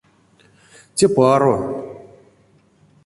Те паро.